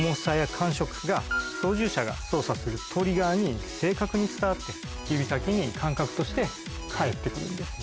が操縦者が操作するトリガーに正確に伝わって指先に感覚として返って来るんです。